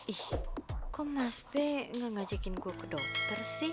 ih kok mas b ngajakin gue ke dokter sih